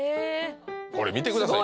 これ見てください